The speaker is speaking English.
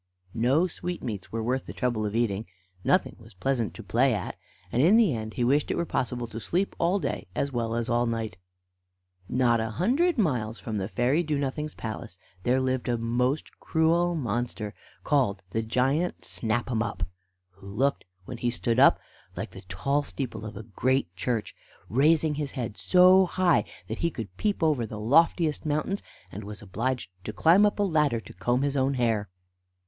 No sweetmeats were worth the trouble of eating, nothing was pleasant to play at, and in the end he wished it were possible to sleep all day, as well as all night. Not a hundred miles from the fairy Do nothing's palace there lived a most cruel monster called the giant Snap 'em up, who looked, when he stood up, like the tall steeple of a great church, raising his head so high that he could peep over the loftiest mountains, and was obliged to climb up a ladder to comb his own hair.